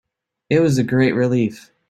It was a great relief